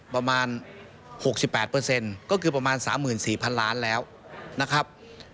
ประมาณ๖๘ก็คือประมาณ๓๔๐๐๐ล้านแล้วนะครับ